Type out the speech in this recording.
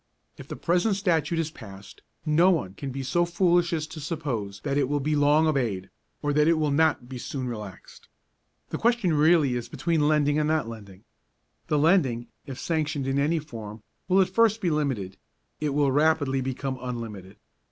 If the present Statute is passed, no one can be so foolish as to suppose that it will be long obeyed, or that it will not be soon relaxed. The question really is between lending and not lending. The lending, if sanctioned in any form, will at first be limited, it will rapidly become unlimited.